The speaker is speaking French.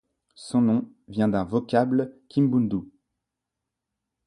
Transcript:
Son nom vient d'un vocable kimbundu.